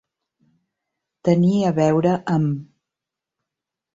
Tenir a veure amb.